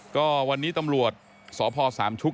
ก็วันนี้ตำรวจสพสามชุก